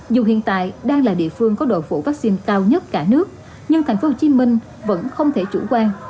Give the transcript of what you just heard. dù hiện tại đang là địa phương có độ phủ vaccine cao nhất cả nước nhưng tp hcm vẫn không thể chủ quan